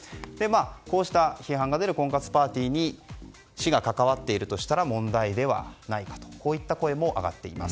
こうした批判が出る婚活パーティーに市が関わっているとしたら問題ではないかとこういった声も上がっています。